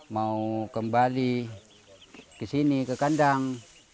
mau kembali ke sini ke kandang